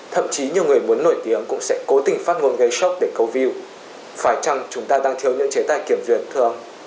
thậm chí nhiều người muốn nổi tiếng cũng sẽ cố tình phát ngôn gây sốc để câu view phải chăng chúng ta đang thiếu những chế tài kiểm duyệt thưa ông